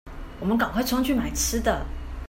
我們趕快衝去買吃的